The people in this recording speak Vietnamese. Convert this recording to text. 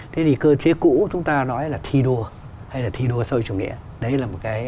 thế thì cơ chế cũ chúng ta nói là thi đua hay là thi đua sôi chủ nghĩa